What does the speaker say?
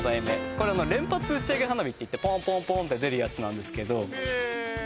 これはまあ連発打ち上げ花火っていってポンポンポンって出るやつなんですけどへえ